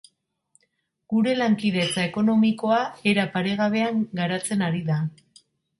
Geure lankidetza ekonomikoa era paregabean garatzen ari da.